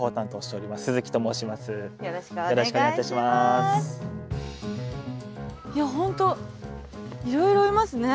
いや本当いろいろいますね。